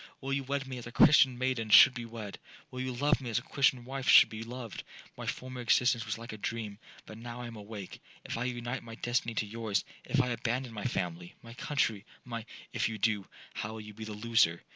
Will you wed me as a Christian maiden should be wed?—Will you love me as a Christian wife should be loved? My former existence was like a dream,—but now I am awake. If I unite my destiny to yours,—if I abandon my family, my country, my'—'If you do, how will you be the loser?